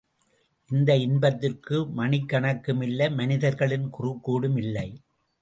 இந்த இன்பத்திற்கு மணிக்கணக்கும் இல்லை, மனிதர்களின் குறுக்கீடும் இல்லை.